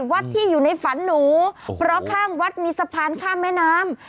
วัดที่อยู่ในฝันหนูเพราะข้างวัดมีสะพานข้ามแม่น้ำ